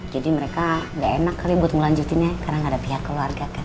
jadi mereka gak enak kali buat ngelanjutinnya karena gak ada pihak keluarga kan